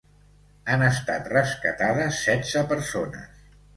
Han estat rescatades setze persones.